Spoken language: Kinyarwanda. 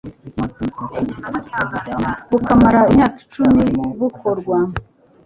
bukamara imyaka icumi bukorwa